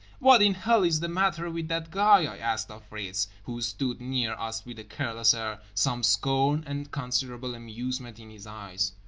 "What in hell is the matter with that guy?" I asked of Fritz, who stood near us with a careless air, some scorn and considerable amusement in his eyes.